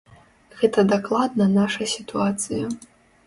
Гэта дакладна наша сітуацыя.